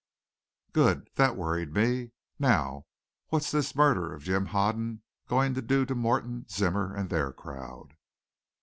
"Good. That worried me. Now, what's this murder of Jim Hoden going to do to Morton, Zimmer, and their crowd?"